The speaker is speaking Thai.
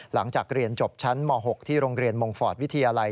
หลังจากเรียนจบชั้นม๖ที่โรงเรียนมงฟอร์ตวิทยาลัย